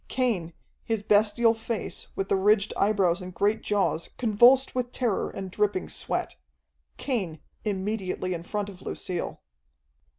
Cain, his bestial face, with the ridged eyebrows and great jaws convulsed with terror and dripping sweat. Cain, immediately in front of Lucille.